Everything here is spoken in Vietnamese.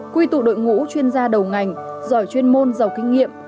quy tụ đội ngũ chuyên gia đầu ngành giỏi chuyên môn giàu kinh nghiệm